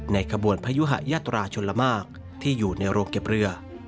ขบวนพยุหะยาตราชลมากที่อยู่ในโรงเก็บเรือ